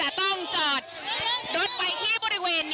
แต่ว่ากลุ่มผู้ชมนมนั้นไม่ยินยอมให้เข้าไปในพื้นที่โดยเด็ดขาดนะคะ